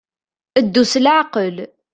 Ddu s leɛqel.